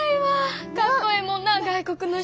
かっこええもんな外国の人。